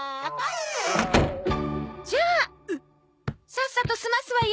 さっさと済ますわよ。